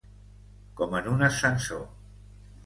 Com en un ascensor.